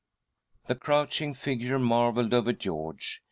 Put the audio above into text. The crouching figure marvelled over George.